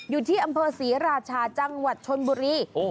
อยู่ที่อำเภอศรีราชาจังหวัดชนบุรี